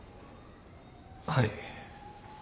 はい。